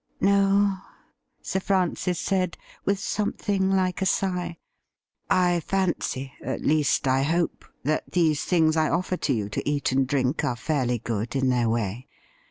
' No ?' Sir Francis said, with something like a sigh. ' I fancy, at least I hope, that these things I offer to you to eat and drink are fairly good in their way.